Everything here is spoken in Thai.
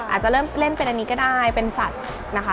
อาจจะเริ่มเล่นเป็นอันนี้ก็ได้เป็นสัตว์นะคะ